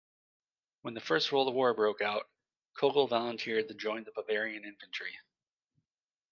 When the First World War broke out, Koegel volunteered to join the Bavarian infantry.